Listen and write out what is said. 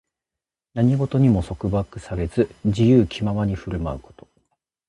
何事にも束縛されず、自由気ままに振る舞うこと。